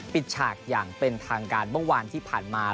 ฉากอย่างเป็นทางการเมื่อวานที่ผ่านมา